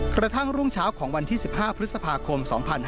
กระทั่งรุ่งเช้าของวันที่๑๕พฤษภาคม๒๕๕๙